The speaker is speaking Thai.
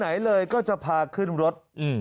ไหนเลยก็จะพาขึ้นรถ